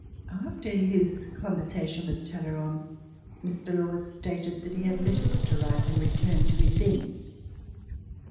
After his conversation with Talleyrand, Mr. Law stated that he had letters to write and re turned to his inn.